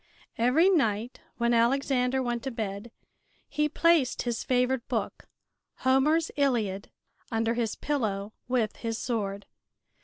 Every night when Alexander went to bed he placed his favorite book, Homer's "Iliad," under his pillow with his sword.